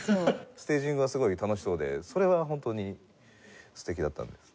ステージングがすごい楽しそうでそれは本当に素敵だったですね。